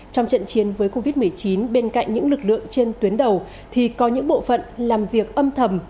trong trận chiến với covid một mươi chín bên cạnh những lực lượng trên tuyến đầu thì có những bộ phận làm việc âm thầm